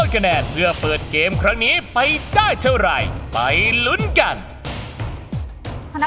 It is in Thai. คะแนนที่พี่เวสบาร์จะให้จากคุณอิตนะคะ